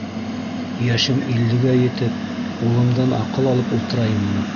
Йәшем иллегә етеп, улымдан аҡыл алып ултырайыммы?